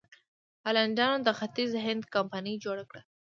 هالنډیانو د ختیځ هند کمپنۍ جوړه کړه.